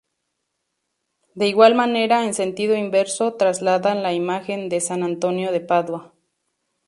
De igual manera, en sentido inverso, trasladan la imagen de San Antonio de Padua.